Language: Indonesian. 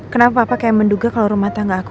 kenapa apa kayak menduga kalau rumah tangga aku